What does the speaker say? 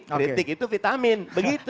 kritik itu vitamin begitu